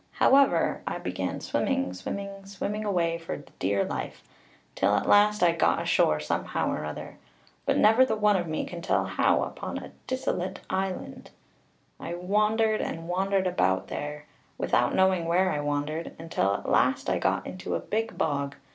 However, I began swimming, swimming, swimming away for the dear life, till at last I got ashore, somehow or other, but never the one of me can tell how, upon a dissolute island. "I wandered and wandered about there, without knowing where I wandered, until at last I got into a big bog.